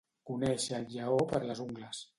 Conèixer el lleó per les ungles.